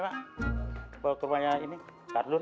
bawa ke rumahnya ini khardun